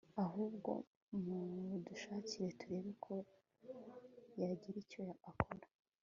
ahubwo mudushakire turebe ko yagira icyo akora